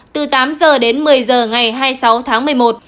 từ tám h đến một mươi giờ ngày hai mươi sáu tháng một mươi một